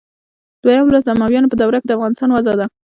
دویم لوست د امویانو په دوره کې د افغانستان وضع ده.